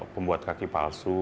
pembuat kaki palsu